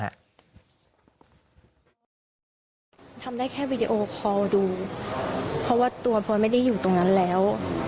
ทำได้แค่วีดีโอคอลดูเพราะว่าตัวพลอยไม่ได้อยู่ตรงนั้นแล้ว